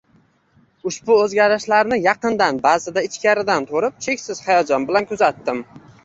Ushbu o‘zgarishlarni yaqindan, ba’zida ichkaridan turib, cheksiz hayajon bilan kuzatdim